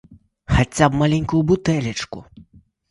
Хаця б маленькую бутэлечку!